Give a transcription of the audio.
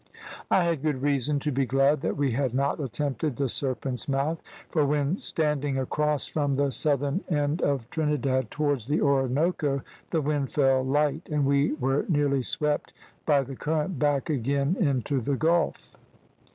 "I had good reason to be glad that we had not attempted the Serpent's Mouth; for when standing across from the southern end of Trinidad towards the Orinoco the wind fell light, and we were nearly swept by the current back again into the Gulf.